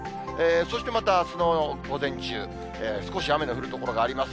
そしてまたあすの午前中、少し雨の降る所があります。